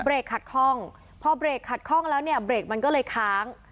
ขัดคล่องพอเบรกขัดข้องแล้วเนี่ยเบรกมันก็เลยค้าง